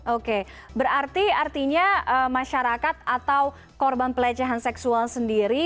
oke berarti artinya masyarakat atau korban pelecehan seksual sendiri